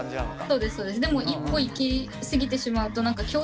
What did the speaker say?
そうですそうです。